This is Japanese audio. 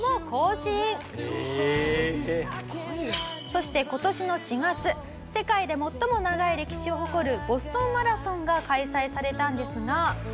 「そして今年の４月世界で最も長い歴史を誇るボストンマラソンが開催されたんですが」